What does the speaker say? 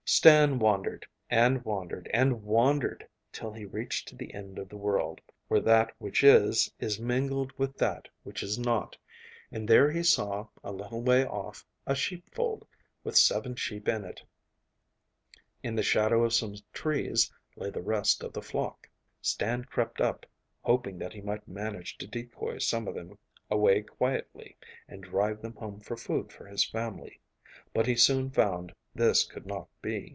Stan wandered, and wandered, and wandered, till he reached to the end of the world, where that which is, is mingled with that which is not, and there he saw, a little way off, a sheepfold, with seven sheep in it. In the shadow of some trees lay the rest of the flock. Stan crept up, hoping that he might manage to decoy some of them away quietly, and drive them home for food for his family, but he soon found this could not be.